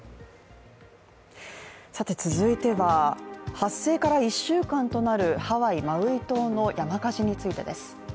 続いては、発生から１週間となるハワイ・マウイ島の山火事についてです。